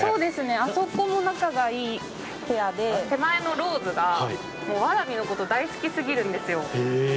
あそこも仲がいいペアで手前のローズがわらびのことを大好きすぎるんですよ。